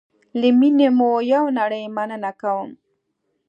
له میني مو یوه نړی مننه کوم